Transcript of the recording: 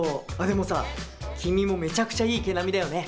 でもさ君もめちゃくちゃいい毛並みだよね。